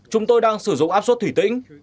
chúng tôi đang sử dụng áp suất thủy tĩnh